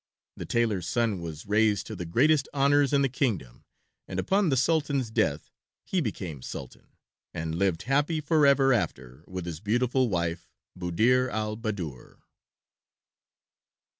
The tailor's son was raised to the greatest honors in the kingdom, and upon the Sultan's death he became Sultan, and lived happy forever after with his beautiful wife, Buddir al Baddoor.